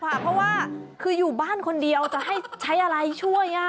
เพราะว่าคืออยู่บ้านคนเดียวจะให้ใช้อะไรช่วย